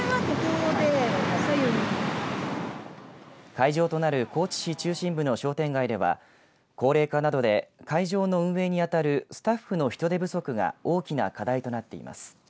会場となる高知市中心部の商店街では高齢化などで会場の運営に当たるスタッフの人手不足が大きな課題となっています。